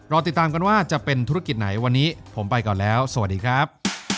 ติดตามกันว่าจะเป็นธุรกิจไหนวันนี้ผมไปก่อนแล้วสวัสดีครับ